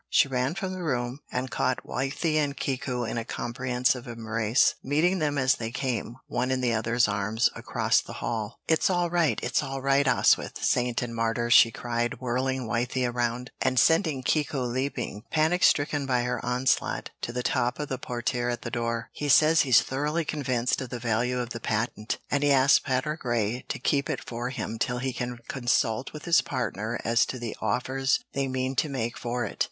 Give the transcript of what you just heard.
She ran from the room, and caught Wythie and Kiku in a comprehensive embrace, meeting them as they came, one in the other's arms, across the hall. "It's all right, it's all right, Oswyth, saint and martyr!" she cried, whirling Wythie around, and sending Kiku leaping, panic stricken by her onslaught, to the top of the portière at the door. "He says he's thoroughly convinced of the value of the patent, and he asks Patergrey to keep it for him till he can consult with his partner as to the offer they mean to make for it.